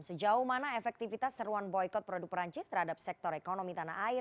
sejauh mana efektivitas seruan boykot produk perancis terhadap sektor ekonomi tanah air